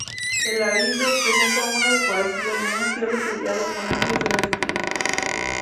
El ábside presenta una decoración de un cielo estrellado con ángeles en las esquinas.